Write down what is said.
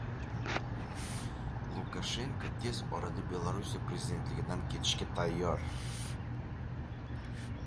Lukashenko tez orada Belorussiya prezidentligidan ketishga tayyor